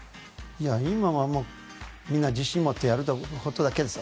今は、自信を持ってやることだけですよ。